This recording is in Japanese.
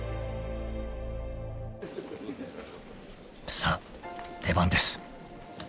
［さあ出番です］